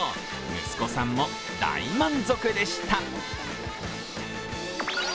息子さんも大満足でした。